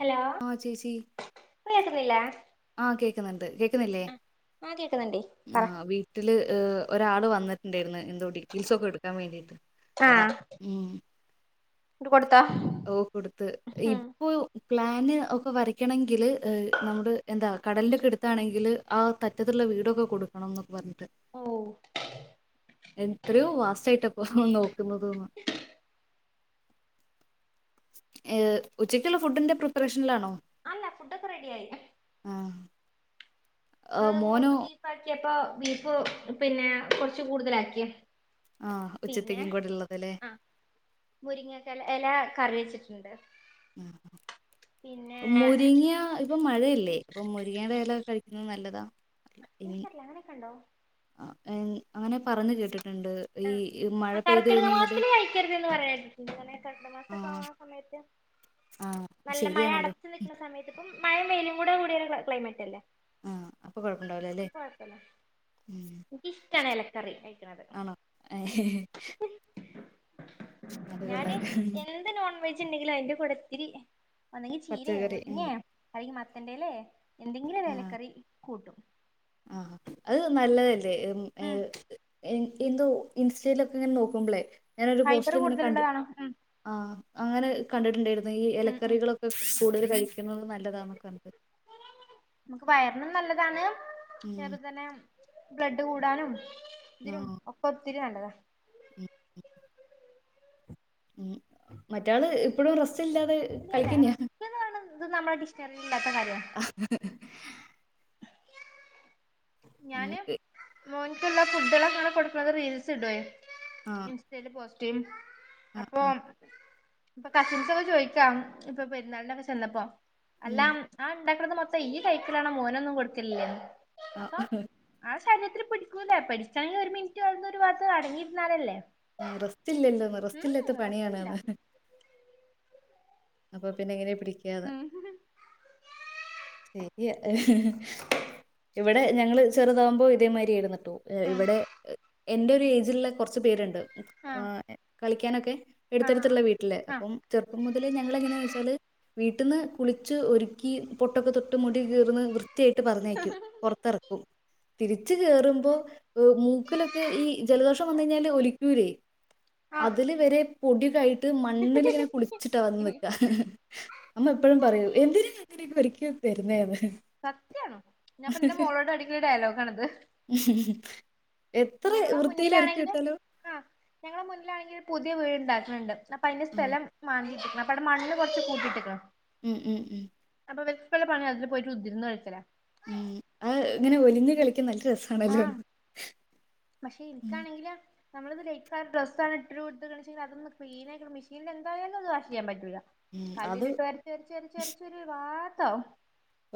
Hello ആ കേൾക്കുന്നില്ലേ ആഹ് കേക്കുന്നുണ്ട് കേക്കുന്നില്ലേ കേക്കുന്നുണ്ട് ആ പറ വീട്ടില് ഒരാള് വന്നിട്ടുണ്ടായിരുന്നു എന്തോ ഡീറ്റെയിൽസ ഒക്കെ എടുക്കാൻ വേണ്ടിട്ട് അതാ ആഹ് ഉം ഇത് കൊടുത്തോ ഓ കൊടുത്ത ഇപ്പൊ പ്ലാന് ഒക്കെ വരയ്ക്കണെങ്കില് നമ്മുടെ എന്താ കടലിലൊക്കെ എടുത്താണെങ്കിൽ ആ തറ്റത്തുള്ള വീടൊക്കെ കൊടുക്കണം എന്നൊക്കെ പറഞ്ഞു ഓ എത്രയോ വസായിട്ടപ്പോ നോ ക്കുന്നതും ഏ ഉച്ചക്കുള്ള ഫുഡിന്റെ പ്രിപ്പറേഷനിലാണോ അല്ല ഫുഡൊക്കെ റെഡി ആയി ആഹ് അത് മോൾക്ക് ബീപ്പ ആക്കിയപ്പൊ വീപ്പ് പിന്നെ കൊറച്ച് കൂടുതലാക്കിയ ആ പിന്നെ ഉച്ചത്തേക്കും കൂടെ ഉള്ളതല്ലേ ആ മുരിങ്ങക്ക എല കറി വെച്ചിട്ട് പിന്നെ ആ മുരിങ്ങിയ ഇപ്പൊ മഴയില്ലേ ഇപ്പൊ മുരിങ്ങയുടെ ഇല കഴിക്ക നല്ലതാ ഇനി വിനസരില്ല അങ്ങനെയൊക്കെ ഉണ്ടോ അങ്ങനെ പറഞ്ഞ് കേട്ടിട്ട് ആ ആ കർക്കിട കഴിഞ്ഞാല് മാസത്തില് കഴക്കരുത് എന്ന് പറയണേട്ടിട്ടുണ്ട് ആ [unintelligible] സമയത്ത് ആ നല്ല മഴ ശരിയാണല്ലോ അടച്ചു നിൽക്കുന്ന സമയത്ത് ഇപ്പം മഴം മെയിലും കൂടെ കൂടിയാലും നല്ല ക്ലൈമറ്റ്ല്ലേ ആ അപ്പൊ കൊഴപ്പണ്ടാവില്ലല്ലേ എനിക്കിഷ്ടാണ് ഇലക്കറി കഴിക്കണത് അ ഞാന് എന്ത് നോൺവെജ് ചണ്ടെങ്കില് അതിന്റെ കുടത്തിരി വന്നെങ്കി ചീരയോ പച്ചക്കറി ഉം മുരിങ്ങയൊ അല്ലെങ്കി മത്തൻ്റെലയോ എന്തെങ്കിലും ആ ഇലക്കറി കൂട്ടും ആ അത് നല്ലതല്ലേ ഏ ഉം എ എന്തോ ഇൻസ്റ്റയിലൊക്കെ ഇങ്ങനെ നോക്കുമ്പളേ ഞാന ഒരു ഫൈബർ പോസ്റ്റിൽ ഇങ്ങനെ കണ്ട് കൂടുതലുള്ളതാണോ ഉം ആ അങ്ങനെ കണ്ടിട്ടുണ്ടായിരുന്നു ഈ ഉം ഉം ഇലക്കറികളൊക്കെ കൂടുതൽ കഴിക്കുന്നത് നല്ലതാന്നൊക്കെ നമുക്ക് ഉം [unintelligible] തന്നെ ബ്ലഡ് കൂടാനും ആ ഇതിനും ഒക്ക ഒത്തിരി നല്ലതാ ഉം ഉ മറ്റാള് ഇപ്പഴും റസ്റ്റല്ലാതെ ഇല്ലല്ല റസ്റ്റ് ഇത് നമ്മുടെഷ്ട ആ ഉ മോനിക്കുള്ള ഫുഡ അങ്ങനെ കൊടുക്കത് റീൽസ് ഇടേ ആ ഇൻസ്റ്റൽ പോസ്റ്റും ആ അപ്പൊ ആ ഇപ്പൊ കസിൻസ്ൊക്കെ ചോദിക്കാം ഇപ്പൊ പെരുന്നാളിിനൊക്കെ ചെന്നപ്പോ അല്ല ഉം ആ ഉണ്ടാക്കത് മൊത്തം ഈ ലൈക്കിലണ മോനൊന്നും കൊടുത്തില്ല ആ ആ ശരീരത്തിൽ പിടിക്കൂില്ലേ പഠിച്ചണെങ്കിൽ ഒരു മിനിറ്റ് വ ഒരു വാംടങ്ങിരുന്നാലല്ലേ നിറസ്റ്റല്ലല്ലോ നിറസ്റ്റല്ലാത്ത റസ്റ്റില്ല പണിയണന്ന് അപ്പൊ പിന്നെ എങ്ങനെയ പിടിക്കാന്ന് ഉം ഉം ശ [unintelligible] ഇവിടെ ഞങ്ങള്ൾ ചെറുതാകുമ്പോൾ ഇതേമാതിരി ആയിരുന്ന കേട്ടോ ഇവിടെ എന്റെ ഒരു ഏജില കുറച്ച പേരുണ്ട് ആഹ് കളിക്കാനൊക്കെ ആഹ് എടുത്തടുത്തിുള്ള വീട്ടില് ആഹ് അപ്പം ചെറുപ്പം മുതൽ ഞങ്ങള എങ്ങനന്ന് വെച്ചാല് വീട്ടന്ന് കുളിച്ച് ഒരുക്കി പൊട്ടൊക്കെ തൊട്ട് മുടി കീർ കൃറ്റായിട്ട് പറഞ്ഞേക്കും പുറത്തിറക്കും തിരിച്ചു കേറുമ്പോ മൂക്കിലൊക്കെ ഈ ജലദോഷം വന്ന കഴിഞ്ഞാല് ഒലിക്കൂരേ ആഹ് അതില് വരെ പൊടിയക്കെ ആയിട്ട് മണ്ണിൽിങ്ങനെ കുളി ഇ വന്നില്ല അമ്മ എപ്പോഴും പറയൂ എന്തിന അങ്ങനൊക്ക ഒരിക്ക വരുന്നേ സത്യയാണോ ഞാൻപ്പൊ എന്റെ മോളോട് അടിക്കുള്ള ഡയലോഗ ആണത് എത്ര ഞങ്ങളെ വൃത്തിയിൽ ഒരുക്കി മുന്നിലാണെങ്കിൽ വിട്ടാലും ആ് ഞങ്ങള മുന്നിലാണെങ്കിൽ പുതിയ വീട്ണ്ടാക്കുന്നുണ്ട് അപ്പൊ അതിന്റെ ആ സ്ഥലം മാറ്റിട്ടണം അപ്പൊവിടെ മണ്ണണ് കുറച്ച് കൂട്ടിയിട്ട്ക്കണം ഉം ഉം ഉം അപ്പ വെച്ചിട്ടോള്ള പണിയാ അതിൽ പോയിട്ട് കുത്തിയിരുന്ന് കഴിക്കലാ ഉം അത് ഇങ്ങനെ ഒലിഞ് കളി ക്ക് നല്ല രസാണല്ലോ ആഹ് നമ്മളത് ലൈക്കാ ഡ്രസ് ആ ഇട്ട് ഇട്ട്രു കൊടുത്തുണീച്ച്ണ്ങ്കി അതൊന്ന് ക്ളീനായി മെഷീൽ എന്തായാലും അത് വാഷ് ചെയ്യൻ പറ്റില്ല ഉം അത് കല്ലിലിട്ട് ഒരച്ച് ഒരച്ച് ഒരച്ച് ച്ചൊരു വാത്താവും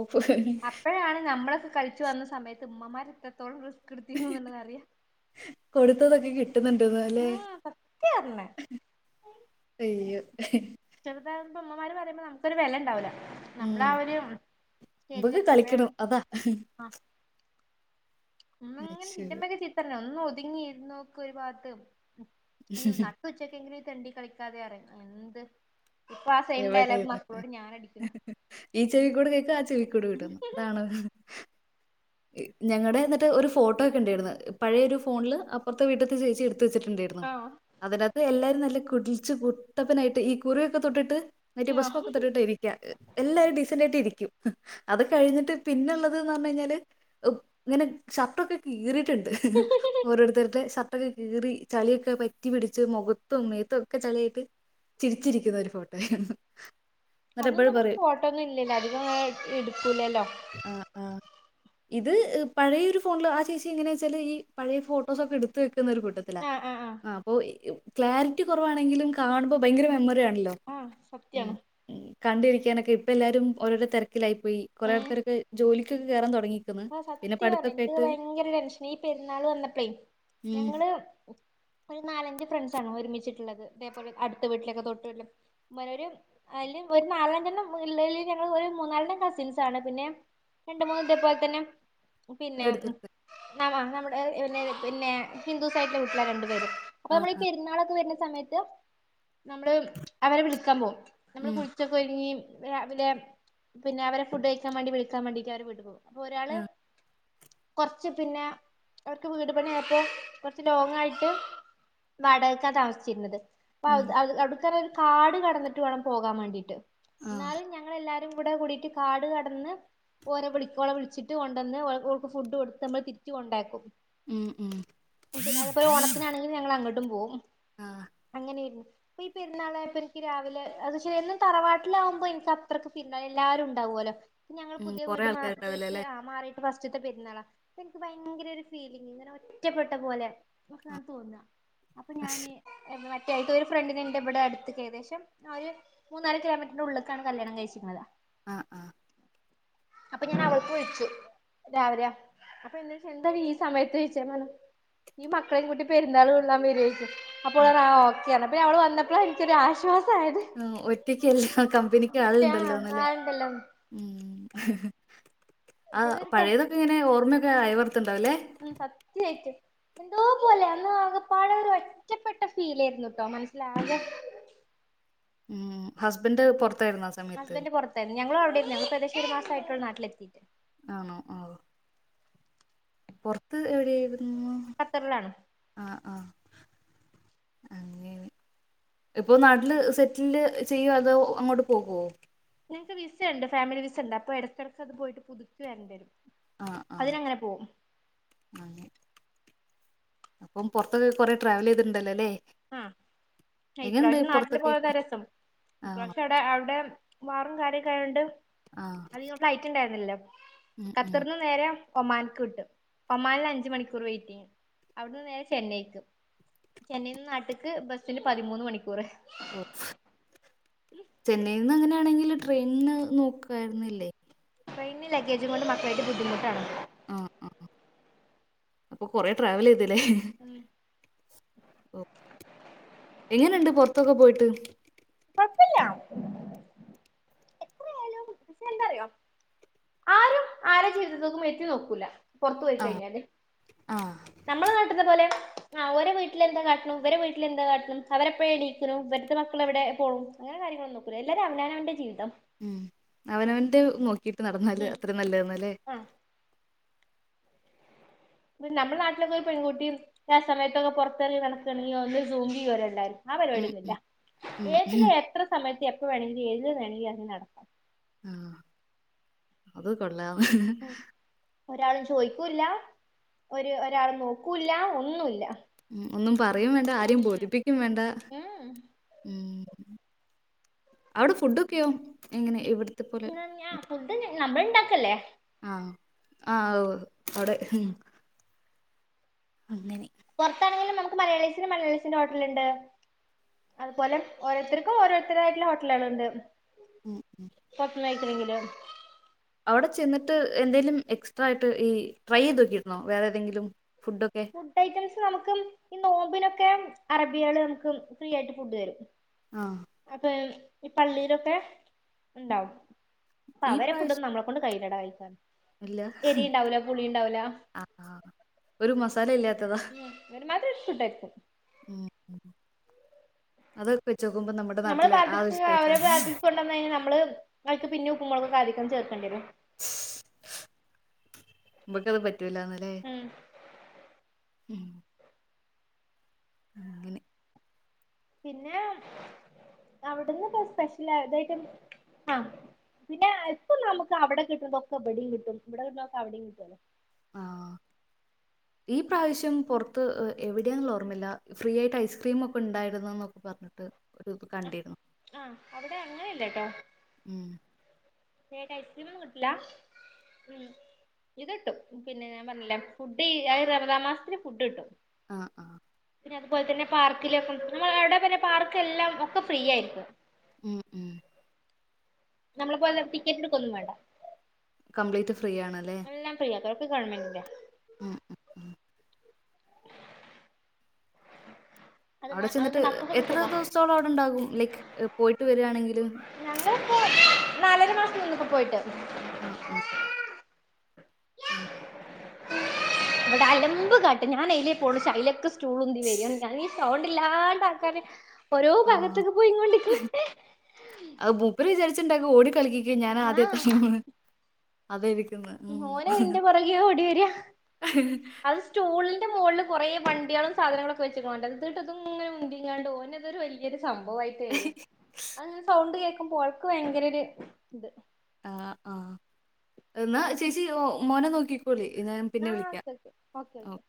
ഓഫ് അപ്പഴാണ് നമ്മളൊക്കെ കളിച്ചു വന്ന സമയത്ത് ഉമ്മമാര് ഇത്രത്തോളം കൊടുത്തതൊക്കെ കി കിട്ട്ന്ന്ണ്ട്ലെ ആഹ് സത്യാ പറഞ്ഞെ അയ്യോ പ്പ ഉമ്മമാര് പറയ്മ്പോ നമക്കൊര് വെല ഉണ്ടാവില്ല നമ്മള് ഉം ആ ഒരു സ്റ്റേജിൽ മുമ്പൊക്കെ എത്തുമ്പഴാണ് കളിക്കണം അതാ ആ ഒന്ന അശ്ശോ. അങ്ങനെ ചിത്രന ഒന്ന് ഒതുങ്ങിയിന്ന് നോക്ക് ഒരു ഭാത്ത് ഈ നട്ട് ഉച്ചക്കെങ്കിലും ഈ തെണ്ടി കളിക്കാതെ റയും എന്ത് ഇപ്പൊ ആ സെയിം ഡയലോഗ് എവിടെന്ന് മക്കളോട് ഞാൻ അടിക്കുന്നു ഈ ചെവി കൂടെ കേക്കും ആ ചെവി കൂടെ വിടും അതാണ് ഞങ്ങടെ എന്നിട്ട് ഒരു ഫോട്ടോ ഒക്കെ ഉണ്ടായിര്ന്ന് പഴയ ഒരു ഫോണില് അപ്പറത്തെ വീട്ടത്തെ ചേച്ചി എട് എട്ത്ത് വെച്ച്ട്ട്ണ്ടാരുന്നു ആഹ് അതിനാത്ത് എല്ലാരും നല്ല കുളിച്ചു കുട്ടപ്പനായിട്ട് ഈ കുറിയൊക്കെ തൊട്ടിട്ട് മറ്റേ ഭസ്മം ആഹ് ഒക്കെ തൊട്ടിട്ട് ഇരിക്ക എല്ലാരും ഡീസന്റ് ആയിട്ട് ഇരിക്കും അത് കഴിഞ്ഞിട്ട് പിന്നെള്ളത് ന്ന് പറഞ്കഴിഞ്ഞാല് ഇങ്ങനെ ഷർട്ടൊക്കെ കീറി ട്ട്ണ്ട് ഓരോരുത്തരുടെ ഷ ട്ടൊക്കെ കീറി ചളിയൊക്കെ പറ്റി പിടിച്ച് മുഖത്തും മേത്തും ഒക്കെ ചളിആയിട്ട് ചിരിച്ചിരിക്കുന്ന ഒരു ഫോട്ടോ ആരുന്നു അന്നൊന്നും നമുക്ക് ഫോട്ടോ ഒന്നും ഇല്ലല്ല അധികം എടുക്കൂലല്ലോ ആ ആ ഇത് പഴയൊര് ഫോണില് ആ ചേച്ചി എങ്ങനെയാ വെച്ചാല് ഈ പഴയ ഫോട്ടോസ് ഒക്കെ എടുത്ത് വെക്ക ക്കുന്ന ഒര് കൂട്ടത്തില ആഹ് ആഹ് ആഹ് അപ്പൊ ക്ലാരിറ്റി കുറവാണെങ്കിലും കാണുമ്പോ ഭയങ്കര മെമ്മറി ആണല്ലോ ആഹ് ഉം സത്യാണ് ഉം കണ്ടിരിക്കാനൊക്കെ ഇപ്പൊ എല്ലാരുംഓരോരോ തെരക്കിലായി പോയി കുറേ ആൾക്കാരൊക്കെ ജോലിക്കൊക്കെ കേറാൻ തൊടങ്ങി ആഹ് സത്യ പറഞ്ഞെ എനിക്ക്ക്കെ ഭയങ്കര ടെൻഷനാ ഈ പെരുന്നാള് വന്നപ്പളേ ഉം ഞങ്ങള് ഒരു നാലഞ്ച് ഫ്രണ്ട്സാണ് ഒരുമിച്ചിട്ട്ള്ളത് അതേപോലെ അടുത്ത വീട്ടിലൊക്കെ തൊട്ടുവീട്ട് ഒരു അയൽ ഒരു നാലചണ്ണം ഉള്ളെൽ ഞങ്ങൾ മൂന്നാലെണ്ണം കസിൻസ് ആണ് പിന്നെ രണ്ട് മൂന്ന് ഇതെ പോലെ തന്നെ പിന്നെ എടുത്തെടുത്ത് ആ നമ്മുടെ പി പിന്നെ ഹിന്ദുസായിട്ട് വീട്ടിലെ രണ്ടുപേര് അപ്പൊ ആ നമ്മള് ഈ ആ പെരുന്നാളൊക്കെ വര്ണ സമയത്ത് നമ്മള് അവരെ വിളിക്കാൻ പോകും നമ്മള് ഉം കുളിച്ചൊക്കെ ഒരുങ്ങി രാവിലെ പിന്നെ അവരെ ഫുഡ് കഴിക്കാൻ വേണ്ടി വിളിക്കാൻ വാണ്ടിട്ട് അവര് വീട്ടി പോകും അപ്പൊ ഒരാള് ആ കൊറച്ച് പിന്നെ അവർക്ക് വീട് പണിപ്പോ കുറച്ച് ലോങ് ആയിട്ട് വാടകക്ക താമിച്ചിരുന്നത് അ ഉം അവ്ട്ത്തൊര് കാട് കടന്നിട്ട് വേണം പോകാൻ വാണ്ടീട്ട് ആ എന്നാലും ഞങ്ങള് എല്ലാരും രും കൂടെ കൂടിട്ട് കാട് കടന്ന് ഓരെ വിളി ഓളെ വിളിച്ചിട്ട് കൊണ്ടുന്ന് ഓൾക്ക് ക്കു ഫുഡ് കൊടുത്ത് നമ്മള് തിരിച്ച് കൊണ്ടാക്കും ഉം ഉം പിന്നെ അതേപോലെ ഓണത്തിനാണെങ്കി ഞങ്ങള് അങ്ങട്ടും പോകും ആ അങ്ങനെരുന്നു ഇപ്പ ഈ പെരുന്നാളായപ്പ ഇനിക്ക് രാവിലെ അത് ശെ എന്നും തറവാട്ടിലാവ്മ്പോ എനിക്ക് അത്രക്ക് ഫീൽ എല്ലാരും ഉണ്ടാവും പോല ഞങ്ങൾ ഉം പുതിയ കൊറെ വീട് മ ആൾക്കാരുണ്ടാവല്ലോ വെച്ച് അല്ലേ മാറി ഫസ്റ്റത്തെ പെരുന്നാള എനിക്ക് ഭയങ്കര ഒരു ഫീലിംങ്ങ് ഇങ്ങനെ ഒറ്റപ്പെട്ട പോലെ ആ നക്ക് തോന്നാ അപ്പൊ ഞാന് എന്റെ മ കൃത്യായിട്ട് ഒര് ഫ്രണ്ടിനെ എന്റെ ഇവ്ടെ അടുത്ത് ഏകദേശം ഒരു മൂന്നാല് കിലോമീറ്ററിന്റെ ഉള്ള്ക്കാണ് കല്യാണം കഴിച്ചിക്ക്ണത് ആഹ് ആഹ് ഇപ്പ അവൾക്ക് വിളിച്ചു രാവിലെയാ അപ്പൊ എന്നോട് എന്താടി ഈ സമയത്ത് ചോയിച്ച ഈയ്യ് മക്കളെയും കൂട്ടി പെരുന്നാള് കൊള്ളാൻ വര്വൊ ചോയിച്ചു അപ്പ ഓള് പറഞ്ഞു ആ ഓക്കെ പിന്നെ അവള് വന്നപ്പോഴ എനിക്കൊര് ആശ് ആ ഒറ്റക്ക്ല്ല കമ്പനിക്ക് ആ ആളുണ്ടല്ലോന്ന്ലെ ആളുണ്ടല്ലോ ഉ ആ മറ്റേത് ഒരു പഴയതൊക്കെ ഇങ്ങനെ ഓർമ്മയൊക്കെ ആയവർ ഉ സത്യായിററ് എന്തോ പോലെ അന്ന് ആകെപ്പാട ഒരു ഒറ്റപ്പെട്ട ഫീല ആയിരുന്നു ട്ടോ മനസ്സിലാകെ ഉ ഹസ്ബന്ഡ് പുറത്ത് ഹസ്ബൻഡ് പുറത്തായിരുന്നു. ഞങ്ങളും അവിടെരുന്നു ഏദേശം ഒരു മാസമായിട്ടുള്ള നാട്ടിലെത്തിയിട്ട്. ആണോ ആവ് പുറത്ത് എവിടെ ഖത്തറിലണ് അ ഇപ്പൊ നാട്ടില് സെറ്റില്ില് ചെയ്യുവ അതോ അങ്ങോട്ട് പോകുവോ എനിക്ക് വിസ ഉണ്ട് ഫാമിലി വിസ ഉണ്ട് അപ്പോ ഇടടക്കക്ക് അത് പോയിട്ട്. പുതുകി വരണ്ടേ ആഹ ആഹ അ അപ്പം പുറത്തൊക്കെ കൊറെേ ട്രാവൽ ചെയ്തിട്ടുണ്ടല്ലോ അല്ലേ ആഹ എങ്ങനെയുണ്ട് ഇപ്രാവശ്യം നാട്ടില് പുറത്തൊക്കെ പോയത രസം ആണോ ഇപ്രാവശ്യം അവിടെ അവിടെ [unintelligible] കാര്യൊക്കെ ആയതോണ്ട് ആഹ് അത്ങ്ങ ഫ്ലൈറ്റ് ഉണ്ടായിരുന്നില്ലോ ഉം ഉം ഖത്തറിന്ന് നേര ഒമാനിക്ക് കിട്ടും ഒമാനിൽക് അഞ്ച മണിക്കൂർ വെയിറ്റ് അവിടുന്ന് നേരെ ചെന്നൈക്ക് ചെന്നൈ നിന്ന് നാട്ട്ക്ക് ബസ്സിന് പതിമൂന്ന് മണിക്കൂർ ഓ ചെന്നൈ ന്ന അങ്ങനെയാണെങ്കില് ട്രെയിനി നോക്കായിരുന്നില്ലേ ട്രയിനിന്റെ ലഗേജും കൊണ്ട് മക്കളുടെ ബുദ്ധിമുട്ടാണ് ആ അ കൊറ ്രാവൽ ചെയ് ഹെ ഉം എങ്ങനെണ്ട് പുൊറത്തൊക്കെ പോയിട്ട് കുഴപ്പില്ല എന്ത അറിയേ ആരും ആരാ ജീവിതത്തേക്കും എത്തി നോക്കൂല പുറത്തു പോയി ആഹ് കഴിഞ്ഞല്ല് ആഹ് നമ്മളെ നാട്ട്ത്തെ പോലെ ആ്ഓര വീട്ടിലെന്താ കാട്ടണണം ഇവടെ വീട്ടിലെന്താ കാട്ടണുഅവരെപ്പോഴ എണീക്കണും ഇവടുത്തെ മക്കളെവിടെ പോകും കാര്യങ്ങളൾ നോക്കുല എല്ലാരും അവ അവൻന്റെ ജീതം ഉം അവനവൻന്റെ നോക്കിട്ട് നടന്നാല് ഉം അത്രയും നല്ലന്നല്ലേ ആഹ് നമ്മ നാട്ടിലൊക്കെ ഒരു പെൺകുട്ടി ആ സമയത്തൊക്കെ പുറത്തിറങ്ങി നടക്കണെങ്കിൽ [unintelligible] ആ ഉം പരിപാടിയൊന്നുമില്ല ഉം ഉം ഉം എത്ര സമയത്ത് എപ്പ വേണമെിലും ഏതി വേണമെങ്കിലും നടക്കാം ആഹ അത് കൊള്ളാ ഉം ഒരാളും ചോദിക്കൂല്ല ഒരു ഒരാളും നോക്കൂല്ല ഒന്നുമില്ല ഉ ഒന്നും പറയും വേണ്ട ആരും ബോധിപ്പിക്കും വേണ്ട ഉം ഉം അവിടെ ഫുഡൊക്കെയോ എങ്ങനെ ഇവിടെ എന്ന ഞാൻ ഫുഡ്‌ നമ്മൾ ഇണ്ടാക്കല്ലേ ആഹ ആഹ അവിടെ അങ്ങനെ പുറത്താണെങ്കിലും നമുക്ക് മലയാളിസന് മലയാളിസിന്റെ ഹോട്ടലുണ്ട് അതുപോലെ ഓരോരുത്തർക്കും ഓരോരുത്തരായിട്ടുള്ള ഹോട്ടലുകളൾ ഉണ്ട് ഉം ഉം എങ്കില് അവിടെ ചെന്നിട്ട് എന്തേലും എക്സ്ട്രാ ആയിട്ട് ഈ ട്രൈ ചെയ്ത് നോക്കിരുന്നോ വേറെ ഏതെങ്കിലും ഫുഡൊക്കെ ഫുഡ് ഐറ്റംസ് നമുക്കും ഈ നോമ്പിനൊക്കെ അറബികകള് നമുക്ക് ഫ്രീയിട്ട് ഫുഡ് തരും ആഹ് അപ്പൊ ഈ പള്ളിയിലൊക്കെ ഉണ്ടാവും അപ്പൊ ഈ അവരെ ഫുഡ് പ്രാവശ്യം ഒന്നും ഒനളെ കൊണ്ട് കയ്യിെടാ കായിക്കാൻ ഇല്ല ആ ഒരു മസാല ഇല്ലാത്ത ഉം അവര് മാത്രം ഫുഡായിരിക്കും [unintelligible] അതൊക്കെ നോക്കുമ്പോ നമ്മുടെ [unintelligible] നമ്മള് നാട്ടിലെ ആ ഒരു സ്പൈസാ [unintelligible] കൊണ്ടന്ന കഴിഞ്ഞാൽ നമ്മള് അവക്ക് പിന്നെ ഉപ്പുമ മുളക് അധികം ചേർക്കണ്ട വരേ [unintelligible] പറ്റൂലന്ന്ല്ലേ ഉം ഉം അങ്ങനെ പിന്നെ അവിടന്ന് സ്പെഷ്യലാ അതായിട്ടും ആ പിന്നെ ഇപ്പം നമുക്ക് അവിടെ കിട്ടുന്നതൊക്കെ ഇവിടേം കിട്ടും. ഇവിടെ കിട്ടുന്നതൊക്കെ അവിടയും കിട്ടുവല്ലോ. ആ ഈ പ്രാവശ്യം പുറത്ത് എവിടെയാന്നുള്ള ഓർമ്മയില്ല ഫ്രീ ആയിട്ട് ഐസ്ക്രീം ഒക്കെ ഉണ്ടായിരുന്നന്നൊക്കെ പറഞ്ഞ് കണ്ടിരുന്നു. ആ അവിടെ അങ്ങനെ ഇല്ലട്ടോ. ഉം [unintelligible] ഐസ്ക്രീം ഒന്നും കിട്ടില്ല. ഉം ഇത് കിട്ടും. പിന്നെ ഞാൻ പറഞ്ഞില്ലെ ഫുഡ് റമതാൻ മാസത്തിന് ഫുഡ് കിട്ടും. ആ ആ പിന്നെ അതുപോലെ തന്നെ പാർക്കിലേക്കും എവിടെ പിന്നെ പാർക്ക് എല്ലാം ഒക്കെ ഫ്രീ ആയിരിക്കും. ഉം ഉം നമ്മളെ പോലെ ടിക്കറ്റെടുക്കു ഒന്നും വേണ്ട. കംപ്ലീറ്റ് ഫ്രീ ആണല്ലേ. ഗവൺമെൻ്റിൻ്റാ ഉം ഉം അത് അവിടെ അതിന്റെ ചെന്നിട്ട് മക്കൾക്കൊക്കെ എത്ര സുഖാ ദിവസത്തോളം അവിടെ ഉണ്ടാകും ലൈക്ക് പോയിട്ട് വരിയാണെങ്കില് [inaudible] ഞങ്ങളിപ്പോ നാലര മാസം നിന്നു ഇപ്പപോയിട്ട് ഉം ഉം ആ ഇവിടെ അലമ്പ് കാട്ട്. ഞാൻ അയ്ലെ പോളൂ അയ്‌ലൊക്കെ സ്‌റ്റൂള് ഉന്തി വരിയാണ്. ഞാൻ ഈ സൗണ്ട് ഇല്ലാണ്ട് ആക്കാന് ഓരോ ആ ഭാഗത്തേക്ക് പോയിങ്ങോണ്ട് ഇരിക്കണ് ഓടികളിക്കക്കെ ഞാൻ ആദ്യ എത്തണന്ന് അത് എനി മോന് ഇന്റെ പുറകെ ഓടി വരാ. അത് സ്റ്റൂളി ന്റെ മോളില് കുറേ വണ്ടികളും സാധങ്ങളൊക്കെ വെച്ചിക്കണണ്ട് ഇതങ്ങട്ട് ഉന്തിങ്ങണ്ട് ഓന് ഇതൊരു വലിയൊരു സംഭവായിട്ട് വരാ. അങ്ങനെ സൗണ്ട് കേൾക്കുമ്പോ ഓൾക്ക് ഭയങ്കര ഒരു ഇത് ആ ആ എന്നാ ചേച്ചി മോനെ നോക്കിക്കോളി എന്നാ ഞാൻ പിന്നെ ആഹ് വിളിക്കാം ഓക്കെ ഓക്കെ ഓക്കെ ഓക്കെ